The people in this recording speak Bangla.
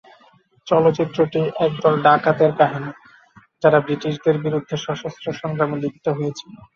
চলচ্চিত্রটি একদল ডাকাতের কাহিনি, যারা ব্রিটিশদের বিরুদ্ধে সশস্ত্র সংগ্রামে লিপ্ত হয়েছিল।